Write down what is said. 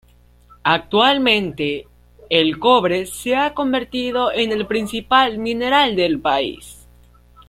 Actualmente, el cobre se ha convertido en el principal mineral del país.